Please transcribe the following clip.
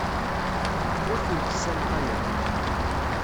Ur tent-ssalqayeɣ.